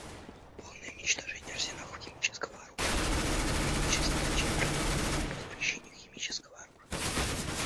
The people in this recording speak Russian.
Полное уничтожение арсеналов химического оружия является важнейшей задачей Организации по запрещению химического оружия.